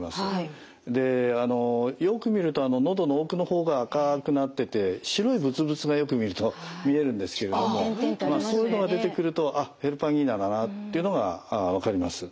でよく見るとのどの奥の方が赤くなってて白いブツブツがよく見ると見えるんですけれどもそういうのが出てくるとあっヘルパンギーナだなっていうのが分かります。